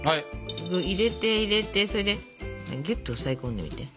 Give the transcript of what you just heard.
入れて入れてそれでぎゅっと押さえ込んでみて。